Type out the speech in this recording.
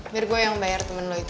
biar gue yang bayar temen lo itu